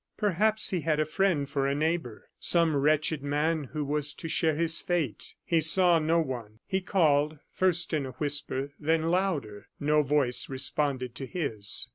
Perhaps he had a friend for a neighbor, some wretched man who was to share his fate. He saw no one. He called, first in a whisper, then louder. No voice responded to his.